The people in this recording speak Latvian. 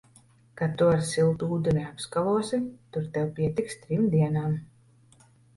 Kad tu ar siltu ūdeni apskalosi, tur tev pietiks trim dienām.